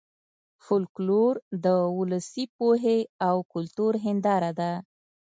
فولکلور د ولسي پوهې او کلتور هېنداره ده